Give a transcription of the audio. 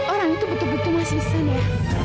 orang itu betul betul mas isan ya